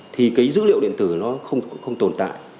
thì dữ liệu điện tử nó không tồn tại